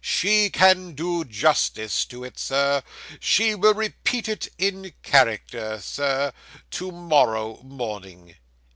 She can do justice to it, Sir. She will repeat it, in character, Sir, to morrow morning.